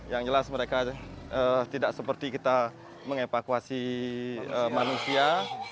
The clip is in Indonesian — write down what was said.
yang jelas mereka tidak seperti kita mengevakuasi manusia